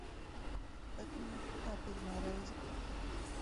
Bet nu, nav pirmā reize.